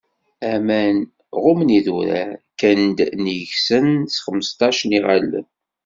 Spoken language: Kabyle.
Aman ɣummen idurar, kkan-d nnig-sen s xemseṭṭac n iɣallen.